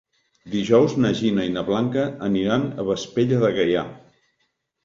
Dijous na Gina i na Blanca aniran a Vespella de Gaià.